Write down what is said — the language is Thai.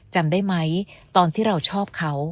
จำได้ไหมตอนที่เราชอบเขา